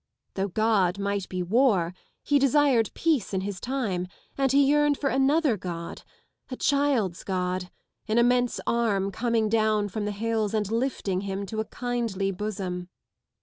Though God might be war, he desired peace in his time, and he yearned for another God ŌĆö a child's God, an immense arm coming down from the hills and lifting him to a kindly bosom.